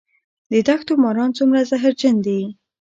د دښتو ماران څومره زهرجن دي؟